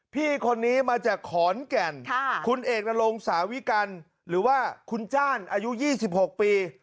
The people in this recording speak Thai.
พี่คนนี้มาจากขอนแก่นคุณเอกนรงสาวิกัลหรือว่าคุณจ้านอายุ๒๖ปี